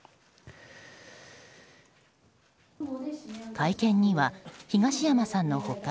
会見には東山さんの他